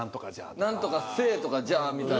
「何とかせぇ」とか「じゃ」みたいな。